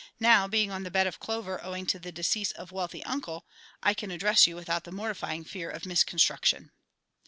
Now, being on the bed of clover owing to decease of wealthy uncle, I can address you without the mortifying fear of misconstruction."